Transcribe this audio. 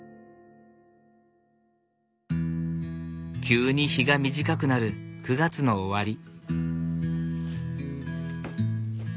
急に日が短くなる９月の終わり。